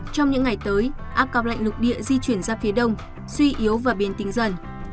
trong những ngày tới áp cao lạnh lục địa di chuyển ra phía đông suy yếu và biến tính dần